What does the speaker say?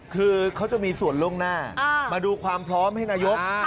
คือเขาจะมีส่วนล่วงหน้ามาดูความพร้อมให้นายก